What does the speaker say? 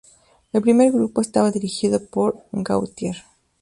El primer grupo estaba dirigido por Gautier.